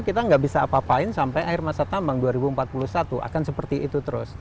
kita nggak bisa apa apain sampai akhir masa tambang dua ribu empat puluh satu akan seperti itu terus